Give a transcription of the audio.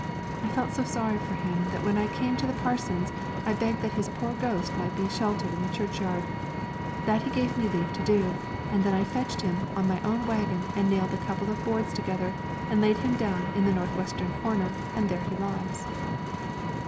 I felt so sorry for him that when I came to the parson's I begged that his poor ghost might be sheltered in the churchyard. That he gave me leave to do, and then I fetched him on my own wagon and nailed a couple of boards together and laid him down in the northwestern corner, and there he lies."